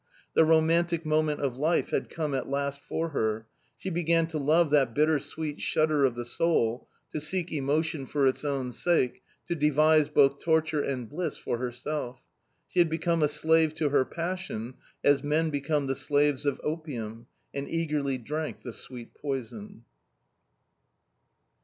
The romantic moment of life had come at last for her ; she began to love that bitter sweet shudder of the soul, to seek emotion for its own sake, to devise both torture and bliss for herself. She had become a slave to her passion, as men become the slaves of opium, and eagerly drank the sweet poison.